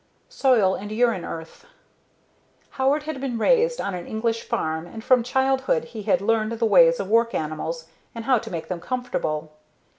Soil and Urine Earth Howard had been raised on an English farm and from childhood he had learned the ways of work animals and how to make them comfortable.